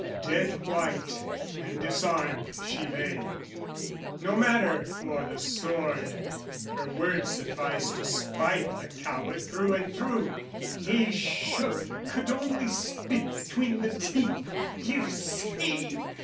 Dead white and disarmed she lay. No matter for the sword, her word sufficed To spike the coward through and through: he shook, Could only spit between the teeth "You see?